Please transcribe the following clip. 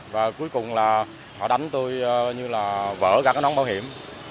và cuối cùng là họ đánh tôi như là vỡ ra cái nón bảo hiểm